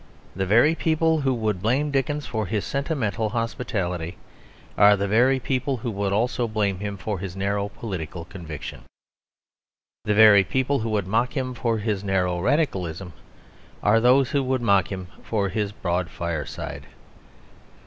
The very people who would blame Dickens for his sentimental hospitality are the very people who would also blame him for his narrow political conviction. The very people who would mock him for his narrow radicalism are those who would mock him for his broad fireside.